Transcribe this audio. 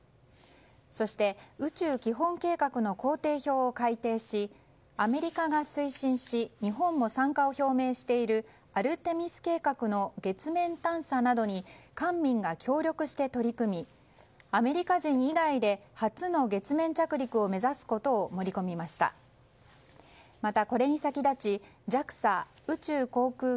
そして、宇宙基本計画の工程表を改定しアメリカが推進し日本も参加を表明しているアルテミス計画の月面探査などに官民が協力して取り組みアメリカ人以外で初の月面着陸を目指すことを盛り込みました。